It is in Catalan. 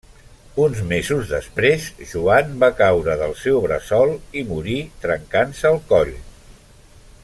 Uns mesos després, Joan va caure del seu bressol i morí trencant-se el coll.